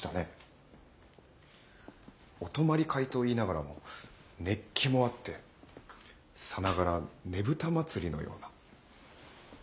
お泊まり会といいながらも熱気もあってさながらねぶた祭のような。